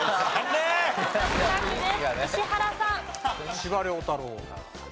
司馬太郎。